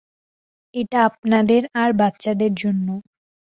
এটা আপনাদের আর বাচ্চাদের জন্য।